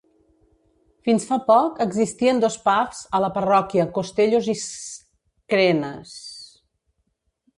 Fins fa poc existien dos "pubs" a la parròquia, Costellos i Screenes.